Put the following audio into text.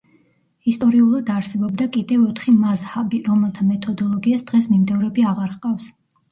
ისტორიულად არსებობდა კიდევ ოთხი მაზჰაბი, რომელთა მეთოდოლოგიას დღეს მიმდევრები აღარ ჰყავს.